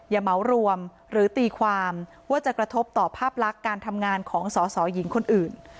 เหมารวมหรือตีความว่าจะกระทบต่อภาพลักษณ์การทำงานของสอสอหญิงคนอื่น